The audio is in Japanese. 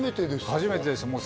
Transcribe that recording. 初めてです。